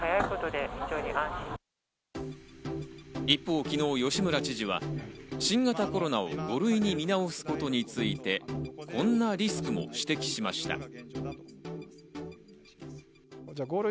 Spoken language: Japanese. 一方昨日、吉村知事は新型コロナを５類に見直すことについて、こんなリスクも指摘しました。